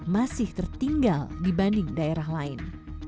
masih tertinggal dibanding daerah lain